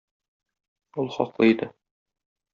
Ул хаклы иде.